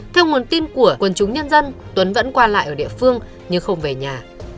theo nguồn tin của quân chúng nhân dân tuấn vẫn qua lại ở địa phương nhưng không về nhà